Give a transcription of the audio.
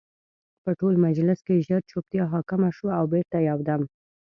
په ټول مجلس کې ژر جوپتیا حاکمه شوه او بېرته یو دم